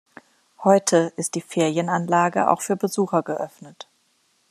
Heute ist die Ferienanlage auch für Besucher geöffnet.